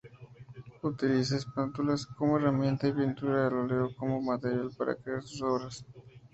Utiliza espátulas como herramienta y pintura al óleo como material para crear sus obras.